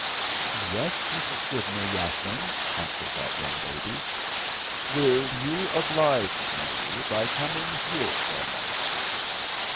"Yes, Mrs. Scrivener Yapling," answered that young lady. "Will you oblige me by coming here for a moment?"